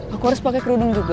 aku harus pakai kerudung juga